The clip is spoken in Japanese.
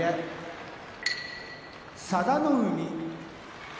佐田の海